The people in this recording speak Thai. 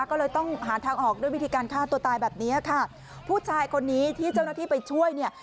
ก็เลยต้องหาทางออกด้วยวิธีการฆ่าตัวตายแบบเนี้ยค่ะผู้ชายคนนี้ที่เจ้าหน้าที่ไปช่วยเนี่ย